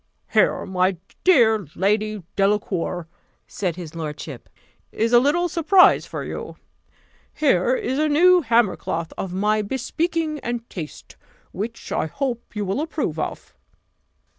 "Here, my dear Lady Delacour," said his lordship, "is a little surprise for you: here is a new hammer cloth, of my bespeaking and taste, which I hope you will approve of."